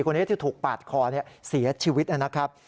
คนนี้ที่ถูกปาดคอเสียชีวิตนะครับ